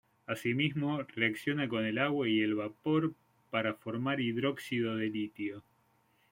Asimismo, reacciona con el agua y el vapor para formar hidróxido de litio.